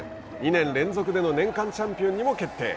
２年連続での年間チャンピオンにも決定。